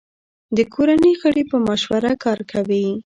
د کورنۍ غړي په مشوره کار کوي.